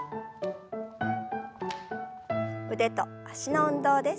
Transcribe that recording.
腕と脚の運動です。